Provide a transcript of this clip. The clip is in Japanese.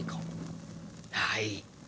はい。